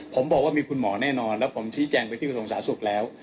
ผมบอกว่ามีคุณหมอแน่นอนแล้วผมชี้แจงไปที่กระทรวงสาธารณสุขแล้ว